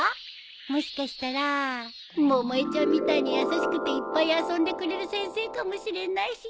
もしかしたら百恵ちゃんみたいに優しくていっぱい遊んでくれる先生かもしれないし。